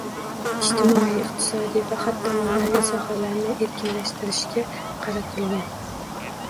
Ijtimoiy, iqtisodiy va hatto ma’naviy sohalarni erkinlashtirishga qaratilgan